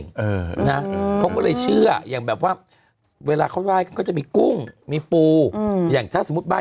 เออนะฮึกเขาเลยเชื่ออย่างแบบว่าเวลาเขาว่าก็จะมีกุ้งมีปูอย่างถ้ามุดด้าน